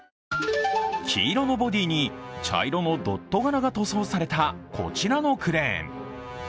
黄色のボディに茶色のドット柄が塗装されたこちらのクレーン。